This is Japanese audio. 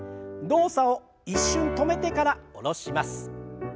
動作を一瞬止めてから下ろします。